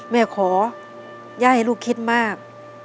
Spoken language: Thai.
แม่ขอย่าให้ลูกคิดมาก